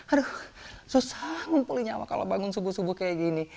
aduh susah ngumpulin nyawa kalau bangun subuh subuh kayak gini